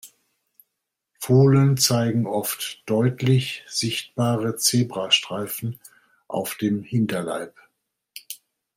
Fohlen zeigen oft deutlich sichtbare Zebrastreifen auf dem Hinterleib.